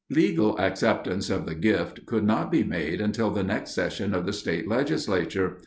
Legal acceptance of the gift could not be made until the next session of the state legislature.